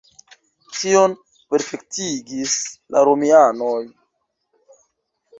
Tion perfektigis la romianoj.